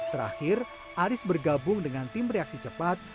terakhir aris bergabung dengan tim reaksi cepat